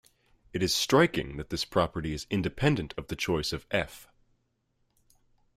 It is striking that this property is independent of the choice of "f".